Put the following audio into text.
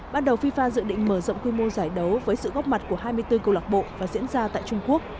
ban đầu fifa dự định mở rộng quy mô giải đấu với sự góp mặt của hai mươi bốn câu lạc bộ và diễn ra tại trung quốc